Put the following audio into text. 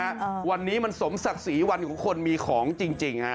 อ่าวันนี้มันสมศักดิ์ศรีวันของคนมีของจริงจริงฮะ